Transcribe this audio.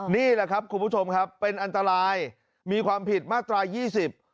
นี่แหละครับคุณผู้ชมครับเป็นอันตรายมีความผิดมาตรายี่สิบ